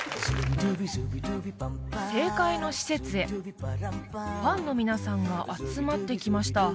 正解の施設へファンの皆さんが集まってきました